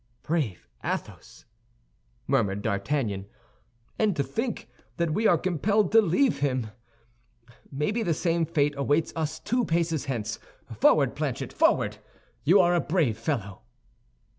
"Brave Athos!" murmured D'Artagnan, "and to think that we are compelled to leave him; maybe the same fate awaits us two paces hence. Forward, Planchet, forward! You are a brave fellow."